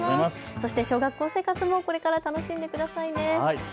そして小学校生活もこれから楽しんでくださいね。